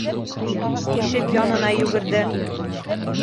Ишек янына йүгерҙе.